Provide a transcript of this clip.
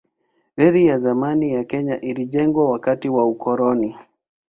Reli ya zamani ya Kenya ilijengwa wakati wa ukoloni.